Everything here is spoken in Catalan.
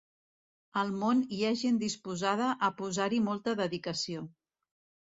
Al món hi ha gent disposada a posar-hi molta dedicació.